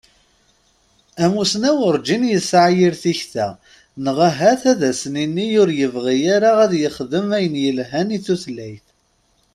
Amussnaw urǧin yesƐa yir tikta, neɣ ahat ad as-nini ur yebɣi ara ad yexdem ayen yelhan i tutlayt.